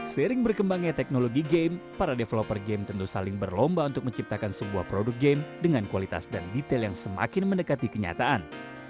seiring berkembangnya teknologi game para developer game tentu saling berlomba untuk menciptakan sebuah produk game dengan kualitas dan detail yang semakin mendekati kenyataan